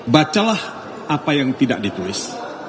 bacalah apa yang tidak ditulis